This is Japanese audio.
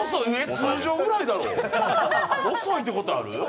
通常ぐらいやろ遅いってことある？